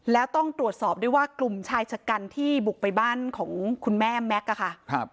แล้วต้องตรวจสอบด้วยว่ากลุ่มชายชะกันที่บุกไปบ้านของคุณแม่แม็กซ์ค่ะ